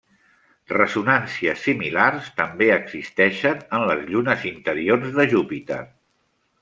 Ressonàncies similars també existeixen en les llunes interiors de Júpiter.